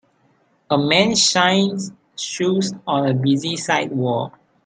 A man shines shoes on a busy sidewalk.